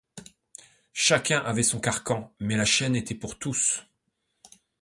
Chacun avait son carcan, mais la chaîne était pour tous.